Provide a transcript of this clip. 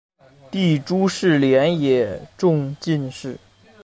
弟朱士廉也中进士。